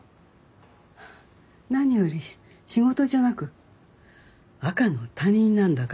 何より仕事じゃなく赤の他人なんだから。